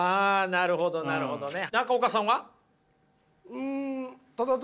なるほどなるほどはい！